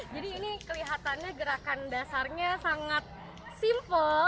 jadi ini kelihatannya gerakan dasarnya sangat simpel